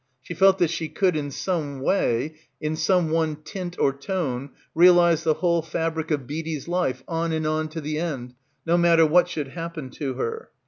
She felt that she could in some way, in some one tint or tone, realise the whole fabric of Beadie's life on and on to the end, no matter what should happen to her.